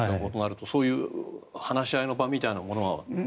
そういう話し合いの場みたいなものは。